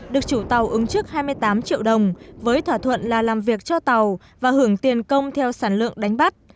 được chủ tàu ứng trước hai mươi tám triệu đồng với thỏa thuận là làm việc cho tàu và hưởng tiền công theo sản lượng đánh bắt